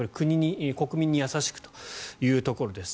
国民に優しくというところです。